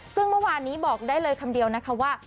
ซึ่งเมื่อวานนี้บอกได้เลยคำเดียวนะคะว่า